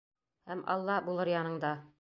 Һәм Аллаһ булыр яныңда.